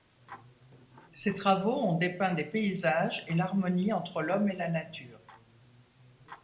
Ses travaux ont dépeint des paysages et l'harmonie entre l'homme et la nature.